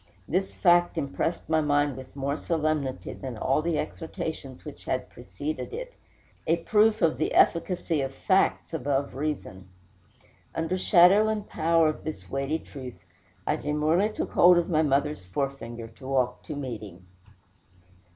This fact impressed my mind with more solemnity than all the exhortations which had preceded it a proof of the efficacy of facts above reason. Under shadow and power of this weighty truth, I demurely took hold of my mother's forefinger to walk to meeting.